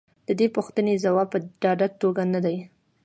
د دې پوښتنې ځواب په ډاډه توګه نه دی.